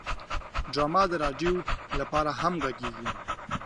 ډرامه د رادیو لپاره هم جوړیږي